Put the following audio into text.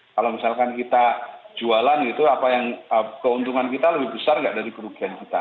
kalau misalkan kita jualan gitu apa yang keuntungan kita lebih besar nggak dari kerugian kita